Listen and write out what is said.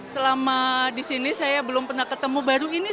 selama di sini saya belum pernah ketemu baru ini